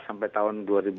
sampai tahun dua ribu empat